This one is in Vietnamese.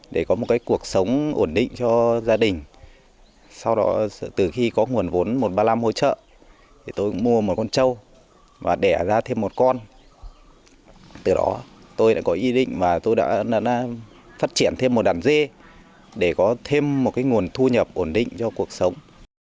để có thêm một nguồn thu nhập ổn định cho cuộc sống